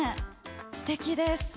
すてきです。